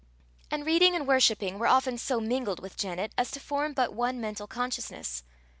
And reading and worshipping were often so mingled with Janet, as to form but one mental consciousness.